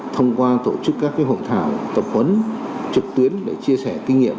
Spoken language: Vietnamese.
thông qua tổ chức các hội thảo tập huấn trực tuyến để chia sẻ kinh nghiệm